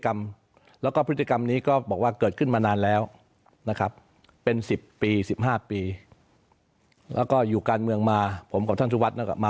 แม้ไม่ใช่นักการเมืองผมก็ไม่สบายใจ